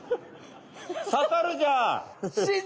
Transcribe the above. ささるじゃん！